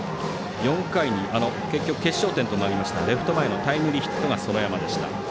４回に結局、決勝点となったレフト前のタイムリーヒットが園山でした。